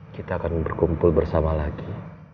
kita akan berkumpul bersama lagi